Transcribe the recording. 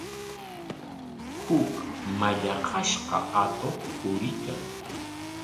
Huk mallaqnashqa atuq puriykan.